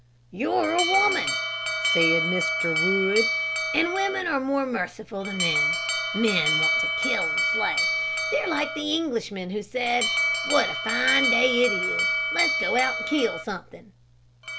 "You're a woman," said Mr. Wood, "and women are more merciful than men. Men want to kill and slay. They're like the Englishman, who said: 'What a fine day it is; let's go out and kill something.'"